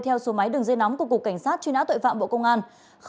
theo số máy đường dây nóng của cục cảnh sát truy nã tội phạm bộ công an